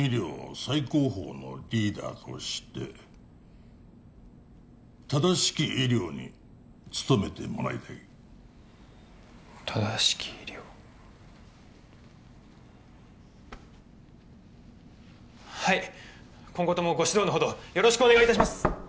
最高峰のリーダーとして正しき医療に努めてもらいたい正しき医療はい今後ともご指導のほどよろしくお願いいたします